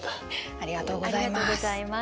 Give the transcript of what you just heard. ありがとうございます。